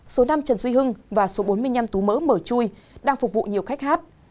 số năm trần duy hưng và số bốn mươi năm tú mỡ mở chui đang phục vụ nhiều khách hát